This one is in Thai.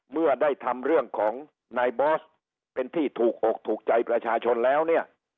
เมื่อได้ทำเรื่องของนายบอสเป็นที่ถูกอกถูกใจประชาชนแล้วเนี่ย